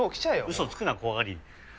嘘つくな怖がり！